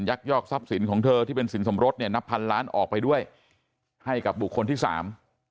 ยอกทรัพย์สินของเธอที่เป็นสินสมรสเนี่ยนับพันล้านออกไปด้วยให้กับบุคคลที่สาม